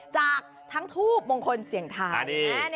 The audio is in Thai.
จากทั้งทูบมงคลเสียงทาย